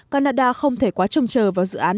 canada không thể quá trông chờ vào dự án